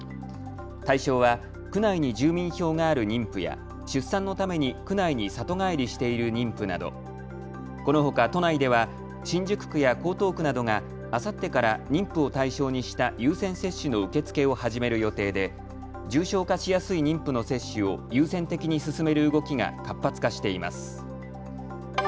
対象は区内に住民票がある妊婦や出産のために区内に里帰りしている妊婦などこのほか都内では新宿区や江東区などがあさってから妊婦を対象にした優先接種の受け付けを始める予定で重症化しやすい妊婦の接種を優先的に進める動きが活発化しています。